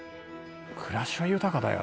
「暮らしは豊かだよね」